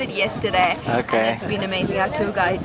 saya tidak mengharapkan ini akan menjadi begitu sulit